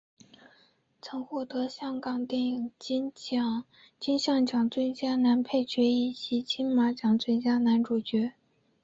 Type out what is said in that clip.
曾获得香港电影金像奖最佳男配角以及金马奖最佳男主角奖。